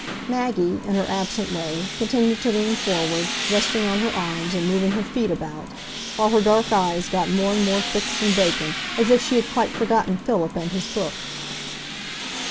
Maggie, in her absent way, continued to lean forward, resting on her arms and moving her feet about, while her dark eyes got more and more fixed and vacant, as if she had quite forgotten Philip and his book.